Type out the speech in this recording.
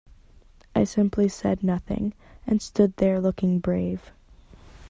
I simply said nothing, and stood there looking brave.